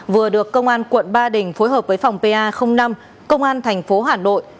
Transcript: vừa được công an quận ba đình phối hợp với phòng pa năm công an thành phố hà nội